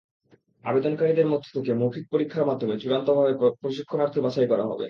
আবেদনকারীদের মধ্য থেকে মৌখিক পরীক্ষার মাধ্যমে চূড়ান্তভাবে প্রশিক্ষণার্থী বাছাই করা হবে।